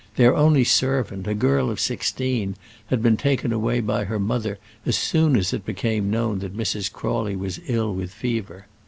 Their only servant, a girl of sixteen, had been taken away by her mother as soon as it became known that Mrs. Crawley was ill with fever.